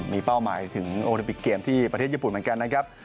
มีเป้าหมายถึงโอลิปิกเกมที่ประเทศญี่ปุ่นเหมือนกันนะครับ